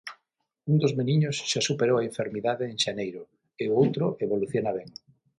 Un dos meniños xa superou a enfermidade en xaneiro e o outro evoluciona ben.